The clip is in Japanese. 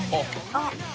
あっ。